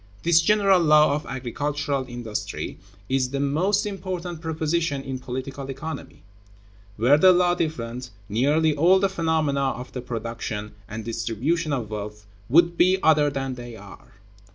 This general law of agricultural industry is the most important proposition in political economy. Were the law different, nearly all the phenomena of the production and distribution of wealth would be other than they are.